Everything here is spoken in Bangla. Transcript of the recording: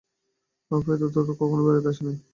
অপু এতদূর কখনও বেড়াইতে আসে নাই।